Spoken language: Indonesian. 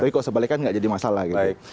tapi kalau sebaliknya tidak jadi masalah gitu